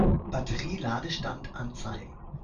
Batterie-Ladestand anzeigen.